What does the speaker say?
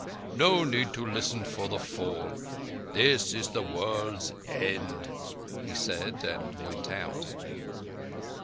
"No need to listen for the fall. This is the world's end," he said, and went out.